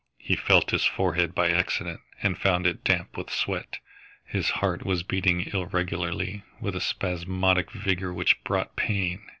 He felt his forehead by accident and found it damp with sweat. His heart was beating irregularly with a spasmodic vigour which brought pain.